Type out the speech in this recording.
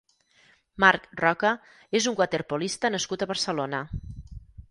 Marc Roca és un waterpolista nascut a Barcelona.